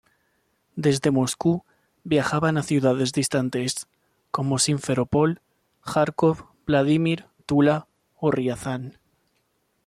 Desde Moscú viajaban a ciudades distantes, como Simferopol, Járkov, Vladímir, Tula o Riazán.